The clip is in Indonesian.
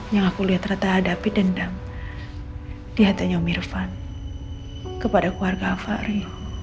yang aku lihat rata hadapi dendam diantaranya mirvan kepada keluarga afari